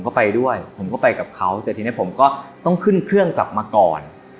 ก็ไปด้วยผมก็ไปกับเขาแต่ทีนี้ผมก็ต้องขึ้นเครื่องกลับมาก่อน